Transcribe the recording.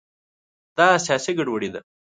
دا سیاسي ګډوډي ده.